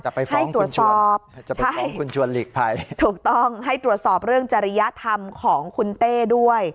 ไปฟ้องตรวจสอบจะไปฟ้องคุณชวนหลีกภัยถูกต้องให้ตรวจสอบเรื่องจริยธรรมของคุณเต้ด้วย